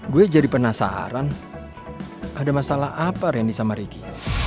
gue jadi penasaran ada masalah apa rendy sama ricky